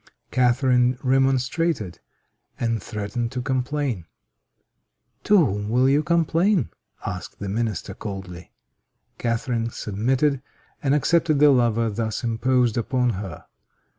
Catharine remonstrated, and threatened to complain. "To whom will you complain?" asked the minister, coldly. Catharine submitted, and accepted the lover thus imposed upon her.